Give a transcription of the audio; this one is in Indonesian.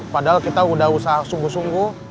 padahal kita sudah usaha sungguh sungguh